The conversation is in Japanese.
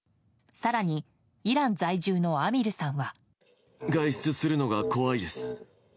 更にイラン在住のアミルさんは。